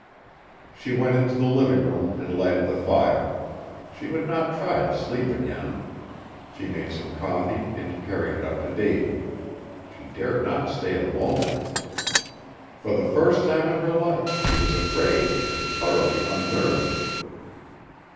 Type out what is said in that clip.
She went into the living room and lighted the fire. She would not try to sleep again. She made some coffee and carried it up to Davy; she dared not stay alone. For the first time in her life she was afraid and thoroughly unnerved.